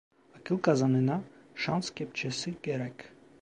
Akıl kazanına şans kepçesi gerek.